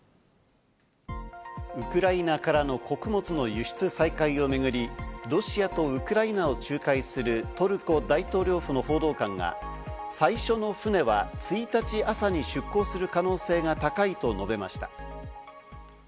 ウクライナからの穀物の輸出再開をめぐり、ロシアとウクライナを仲介するトルコ大統領府の報道官が最初の船は１日朝に出港する可能性が高いと述べました。